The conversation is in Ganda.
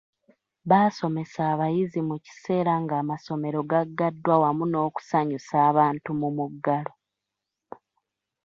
Baasomesa abayizi mu kiseera ng'amasomero gaggaddwa wamu n'okusanyusa abantu mu muggalo